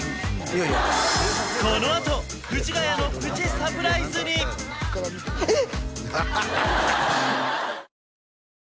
いやいやこのあと藤ヶ谷のプチサプライズにえっ！？